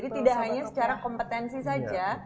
jadi hanya secara kompetensi saja